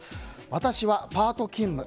私はパート勤務。